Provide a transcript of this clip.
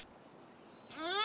うん。